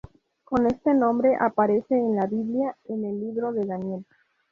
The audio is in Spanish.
Con este nombre aparece en la Biblia, en el Libro de Daniel.